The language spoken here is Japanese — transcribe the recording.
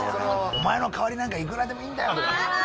「お前の代わりなんかいくらでもいるんだよ！」。